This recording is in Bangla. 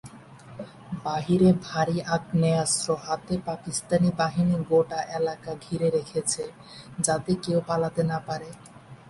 বাহিরে ভারি আগ্নেয়াস্ত্র হাতে পাকিস্তানি বাহিনী গোটা এলাকা ঘিরে রাখে, যাতে কেউ পালাতে না পারে।